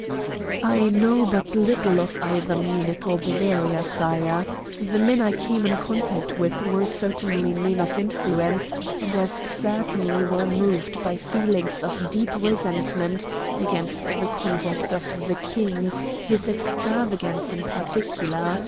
"I know but little of either Munich or Bavaria, sire. The men I came in contact with were certainly men of influence, and as certainly were moved by feelings of deep resentment against the conduct of the King, his extravagance in particular.